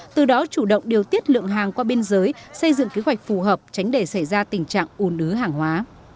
từ đó chủ động điều tiết lượng hàng qua biên giới xây dựng kế hoạch phù hợp tránh để xảy ra tình trạng ồn ứa hàng hóa